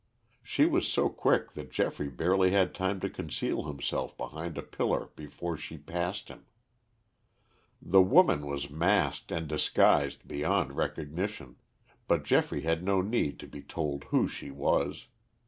She was so quick that Geoffrey barely had time to conceal himself behind a pillar before she passed him. The woman was masked and disguised beyond recognition, but Geoffrey had no need to be told who she was.